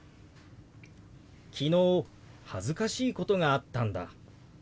「昨日恥ずかしいことがあったんだ」。